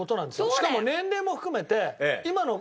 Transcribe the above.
しかも年齢も含めて今の方は？